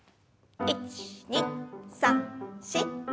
１２３４。